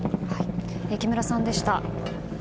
木村さんでした。